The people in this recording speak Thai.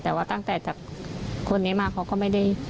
แต่ว่าตามตอนเขากราวกฎก็ไม่มี